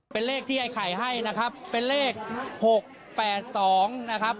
เป็นเลขที่ไอ้ไข่ให้นะครับเป็นเลข๖๘๒นะครับ